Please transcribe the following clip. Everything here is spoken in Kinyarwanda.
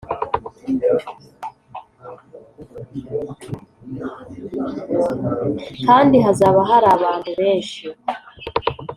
kandi hazaba hari abantu benshi;